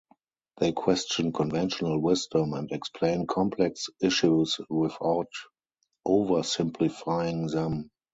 They question conventional wisdom and explain complex issues without oversimplifying them.